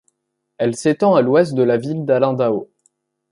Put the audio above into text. Elle s’étend à l’ouest de la ville d’Alindao.